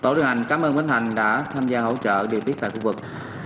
tổ điều hành cảm ơn bến thành đã tham gia hỗ trợ điều tiết tại khu vực